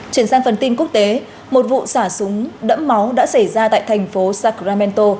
chuyển sang phần tin quốc tế một vụ xả súng đẫm máu đã xảy ra tại thành phố sacramento